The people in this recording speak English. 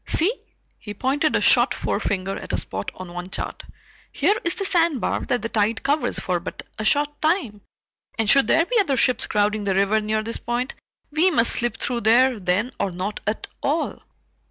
"See" he pointed a short forefinger at a spot on one chart "here is the sandbar that the tide covers for but a short time, and should there be other ships crowding the river near this point, we must slip through there then or not at all."